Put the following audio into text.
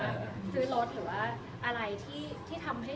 รู้สึกว่าออกเงินไปทำบ้าน